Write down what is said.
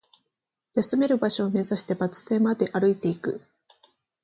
休める場所を目指して、バス停まで歩いていく